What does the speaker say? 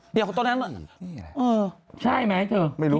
เดี๋ยวตรงนั้นเออใช่ไหมเจอไม่รู้